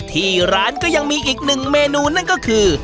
ที่ร้านก็ยังมีอีกหนึ่งเมนูนั่นก็คือ